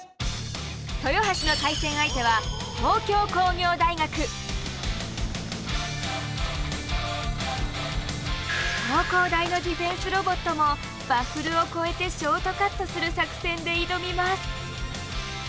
豊橋の対戦相手は東工大のディフェンスロボットもバッフルを越えてショートカットする作戦で挑みます。